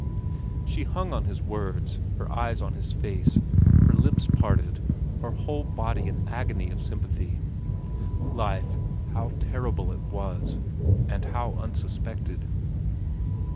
She hung on his words, her eyes on his face, her lips parted, her whole body an agony of sympathy. Life how terrible it was, and how unsuspected.